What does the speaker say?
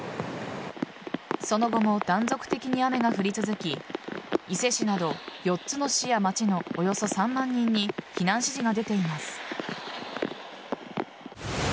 その後も断続的に雨が降り続き伊勢市など４つの市や町のおよそ３万人に避難指示が出ています。